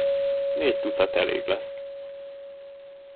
Négy tucat elég lesz.